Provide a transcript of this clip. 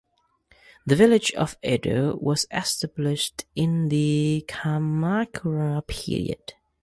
The village of Edo was established In the Kamakura period.